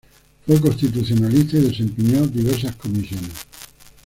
Fue constitucionalista y desempeñó diversas comisiones.